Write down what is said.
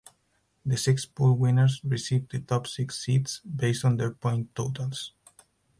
The six pool winners receive the top six seeds, based on their point totals.